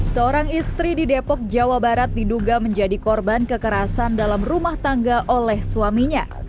seorang istri di depok jawa barat diduga menjadi korban kekerasan dalam rumah tangga oleh suaminya